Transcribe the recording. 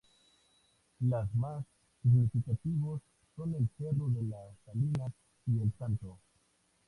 Los más significativos son El Cerro de las Salinas y El Santo.